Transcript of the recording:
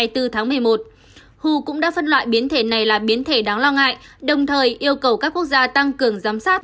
cũng đã phân loại biến thể này là biến thể đáng lo ngại đồng thời yêu cầu các quốc gia tăng cường giám sát